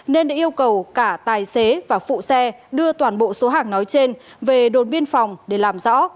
nên đã yêu cầu cả tài xế và phụ xe đưa toàn bộ số hàng nói trên về đồn biên phòng để làm rõ